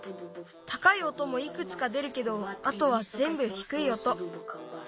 たかい音もいくつか出るけどあとはぜんぶひくい音。